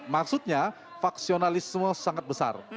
maksudnya faksionalisme sangat besar